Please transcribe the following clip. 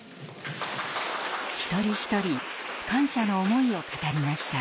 一人一人感謝の思いを語りました。